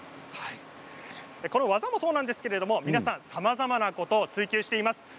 この技もそうなんですけれども皆さん、さまざまなことを追究しています。